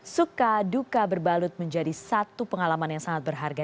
suka duka berbalut menjadi satu pengalaman yang sangat berharga